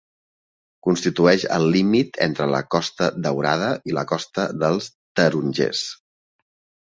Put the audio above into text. Constitueix el límit entre la costa Daurada i la costa dels Tarongers.